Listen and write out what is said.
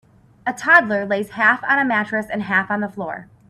A toddler lays half on a mattress and half on the floor.